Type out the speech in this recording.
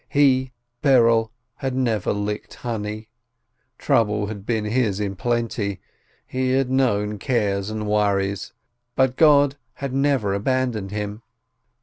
He, Berel, had never licked honey, trouble had been his in plenty, he had known cares and worries, but God had never abandoned him.